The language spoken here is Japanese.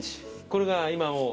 これが今もう。